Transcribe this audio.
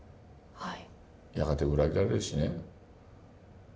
はい。